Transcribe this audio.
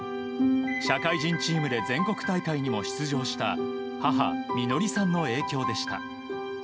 社会人チームで全国大会にも出場した母・美乃りさんの影響でした。